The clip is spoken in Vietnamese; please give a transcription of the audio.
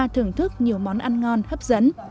thưởng thức nhiều món ăn ngon hấp dẫn